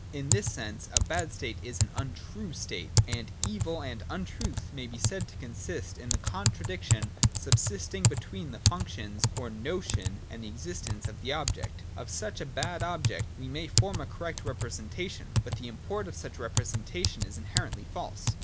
In this sense a bad state is an untrue state ; and evil and untruth may be said to consist in the contradiction subsisting between the function or no tion and the existence of the object. Of such a bad object we may form a correct representation, but the import of such representation is inherently false.